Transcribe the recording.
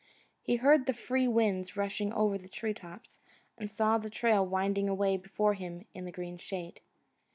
He heard the free winds rushing over the tree tops, and saw the trail winding away before him in the green shade.